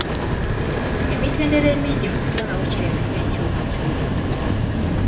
Emitendera emingi mu kusalawo kiremesa enkyukakyuka.